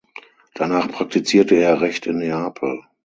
Danach praktizierte er Recht in Neapel.